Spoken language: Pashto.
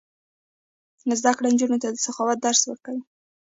زده کړه نجونو ته د سخاوت درس ورکوي.